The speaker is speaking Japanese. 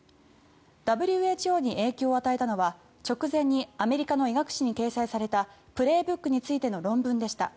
ＷＨＯに影響を与えたのは直前にアメリカの医学誌に掲載された「プレーブック」についての論文でした。